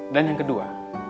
dan yang kedua